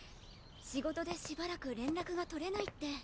仕事でしばらく連絡が取れないって。